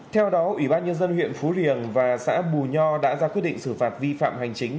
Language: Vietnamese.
theo đó ủy ban nhân dân huyện phú riềng và xã bù nho đã ra quyết định xử phạt vi phạm hành chính